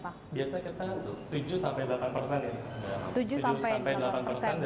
biasanya kita tujuh sampai delapan persen ya